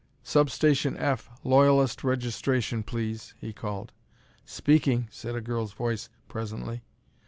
"Sub Station F, Loyalist Registration, please," he called. "Speaking," said a girl's voice presently.